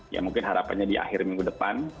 ya mungkin harapannya di akhir minggu depan